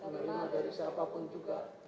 menerima dari siapapun juga